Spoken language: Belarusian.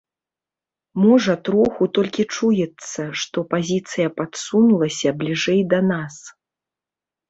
Можа, троху толькі чуецца, што пазіцыя падсунулася бліжэй да нас.